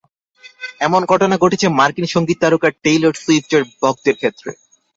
এমন ঘটনা ঘটেছে মার্কিন সংগীত তারকা টেলর সুইফটের ভক্তের ক্ষেত্রে।